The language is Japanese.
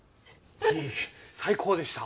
いえ最高でした。